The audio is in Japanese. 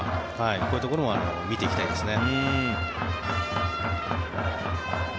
こういうところも見ていきたいですね。